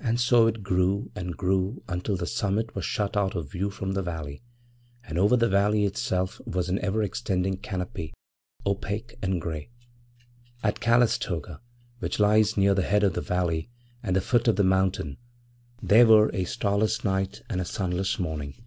And so it grew and grew until the summit was shut out of view from the valley, and over the valley itself was an everextending canopy, opaque and grey. At Calistoga, which lies near the head of the valley and the foot of the mountain, there were a starless night and a sunless morning.